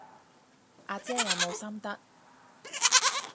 阿姐有冇心得？